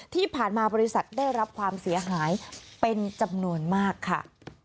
ที่ผ่านมาบริษัทได้รับความเสียหายเป็นจำนวนมากค่ะ